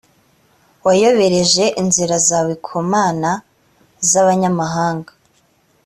wayobereje inzira zawe ku mana z abanyamahanga